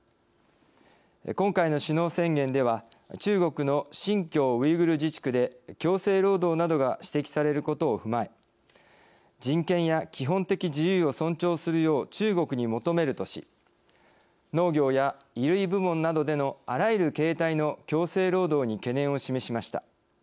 今回の首脳宣言では中国の新疆ウイグル自治区で強制労働などが指摘されることを踏まえ人権や基本的自由を尊重するよう中国に求めるとし農業や衣類部門などでのあらゆる形態の強制労働に懸念を示しました。